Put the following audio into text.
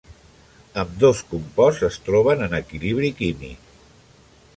Ambdós composts es troben en equilibri químic.